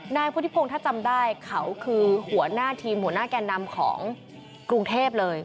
นายพุทธิพงศ์ถ้าจำได้เขาคือหัวหน้าทีมหัวหน้าแก่นำของกรุงเทพเลย